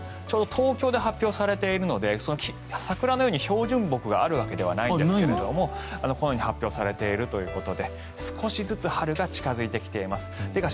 ちょうど東京で発表されているので桜のように標準木があるわけではないんですがこのように発表されているということで少しずつ春が近付いてきています。